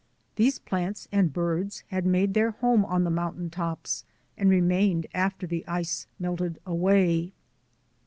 These plants and birds had made their home on the mountain tops and remained after the ice melted away.